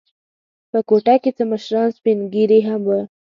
په کوټه کې څه مشران سپین ږیري هم و.